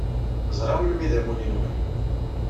Zṛiɣ melmi i d amulli-nwen.